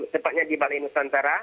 tepatnya di balai nusantara